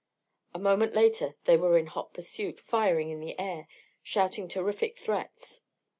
A moment later they were in hot pursuit, firing in the air, shouting terrific threats.